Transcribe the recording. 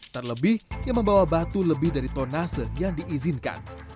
terlebih yang membawa batu lebih dari tonase yang diizinkan